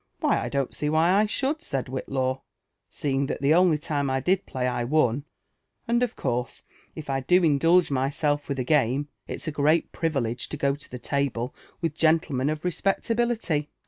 Why, I don't see why I should," said Whitlaw, "seeing that the only time I did play I won ; and of course, if I do indulge myself with a game, it's a great privilege to go to the table with gentlemen of I0B LIFB AND AnVENTURES OF reSpecfabflify.